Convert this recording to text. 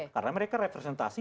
karena mereka representasi